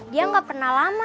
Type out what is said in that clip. dia gak pernah lama